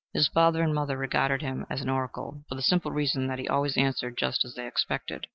His father and mother regarded him as an oracle, for the simple reason that he always answered just as they expected.